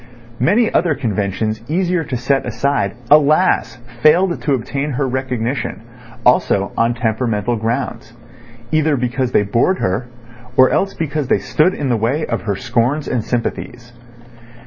Many other conventions easier to set aside, alas! failed to obtain her recognition, also on temperamental grounds—either because they bored her, or else because they stood in the way of her scorns and sympathies.